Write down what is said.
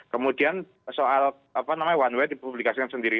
kemudian soal one way dipublikasikan sendiri